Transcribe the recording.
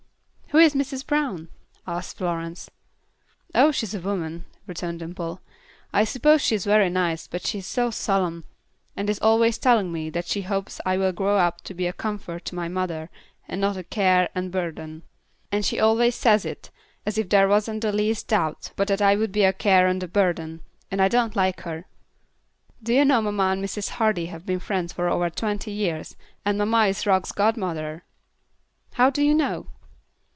"Who is Mrs. Brown?" asked Florence. "Oh, she's a woman," returned Dimple. "I suppose she is very nice, but she is so solemn, and is always telling me that she hopes I will grow up to be a comfort to my mother and not a care and burden; and she always says it as if there wasn't the least doubt but that I would be a care and a burden, and I don't like her. Do you know mamma and Mrs. Hardy have been friends for over twenty years, and mamma is Rock's godmother?" "How do you know?"